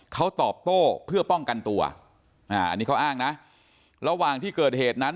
เขาตอบโต้เพื่อป้องกันตัวอ่าอันนี้เขาอ้างนะระหว่างที่เกิดเหตุนั้น